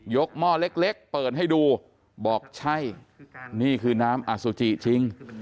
หม้อเล็กเปิดให้ดูบอกใช่นี่คือน้ำอสุจิจริง